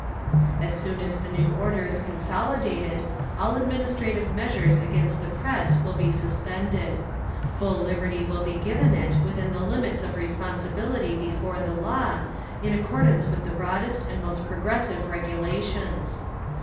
As soon as the new order is consolidated, all administrative measures against the press will be suspended; full liberty will be given it within the limits of responsibility before the law, in accordance with the broadest and most progressive regulations….